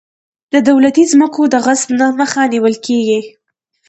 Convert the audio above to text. د دولتي ځمکو د غصب مخه نیول کیږي.